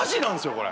これ。